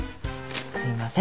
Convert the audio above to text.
すいません。